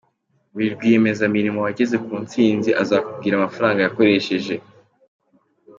Buri rwiyemezamirimo wageze ku ntsinzi azakubwira amafaranga yakoresheje.